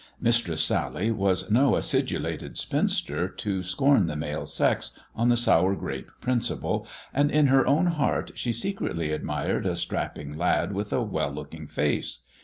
Mistress Sally was no acidulated spinster to scorn the male sex on the sour grape principle, and, in her own heart, she secretly admired a strapping lad with a well looking face.